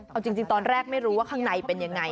เอาจริงตอนแรกไม่รู้ว่าข้างในเป็นยังไง